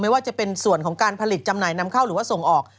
ว่าจะเป็นส่วนของการผลิตจำหน่ายนำเข้าหรือว่าส่งออก